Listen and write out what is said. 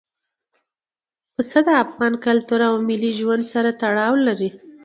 پسه د افغان کلتور او ملي ژوند سره تړاو لري.